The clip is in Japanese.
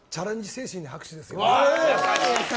精神に拍手ですよ。